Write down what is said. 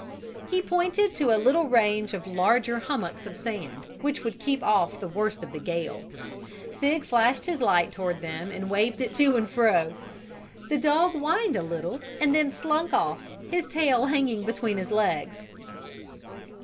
He pointed to a little range of larger hummocks of sand, which would keep off the worst of the gale. Sig flashed his light toward them and waved it to and fro. The dog whined a little and then slunk off, his tail hanging between his legs.